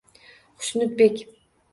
Xushnudbek